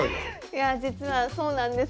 いや実はそうなんです。